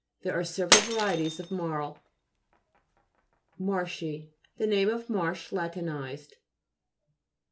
There are several varieties of marl. MA'RSHII The name of Marsh la tinized.